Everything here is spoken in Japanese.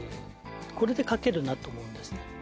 これで書けるなと思うんですね。